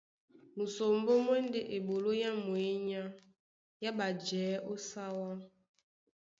Musombó mú e ndé eɓoló á mwěnyá yá ɓajɛɛ̌ ó sáwá.